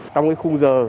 trong khung giờ